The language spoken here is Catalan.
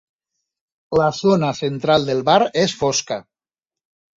La zona central del bar és fosca.